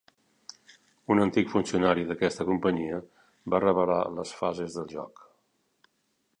Un antic funcionari d'aquesta companyia va revelar les fases del joc.